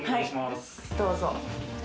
どうぞ。